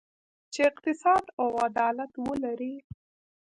چې اقتصاد او عدالت ولري.